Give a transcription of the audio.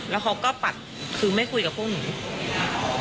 แล้วเขาก็ปัดคือไม่คุยกับพวกหนู